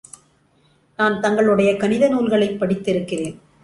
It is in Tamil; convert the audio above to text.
நான் தங்களுடைய கணித நூல்களைப் படித்திருக்கிறேன்.